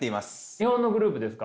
日本のグループですか？